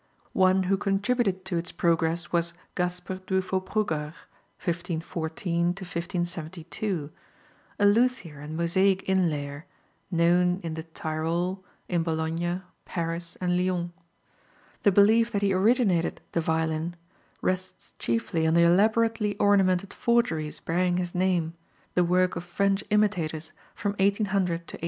One who contributed to its progress was Gasper Duiffoprugcar (1514 1572) a luthier and mosaic inlayer, known in the Tyrol, in Bologna, Paris and Lyons. The belief that he originated the violin rests chiefly on the elaborately ornamented forgeries bearing his name, the work of French imitators from 1800 to 1840.